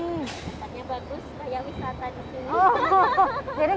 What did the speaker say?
tempatnya bagus kayak wisata di sini